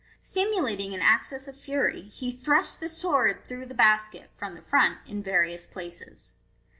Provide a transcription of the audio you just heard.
Simulating an access of fury, he thrusts the sword through the basket (from the front) in various places.